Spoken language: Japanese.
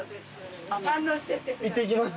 いってきます。